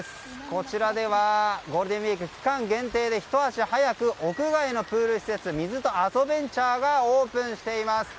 こちらではゴールデンウィーク期間限定でひと足早く、屋外のプール施設水とあそベンチャーがオープンしています。